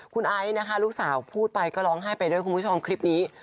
คุณไอซ์นะคะลูกสาวพูดไปก็ร้องไห้ไปด้วยคุณผู้ชมคลิปนี้